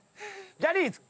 ジャニーズ！